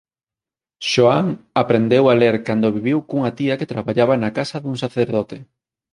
Xoán aprendeu a ler cando viviu cunha tía que traballaba na casa dun sacerdote.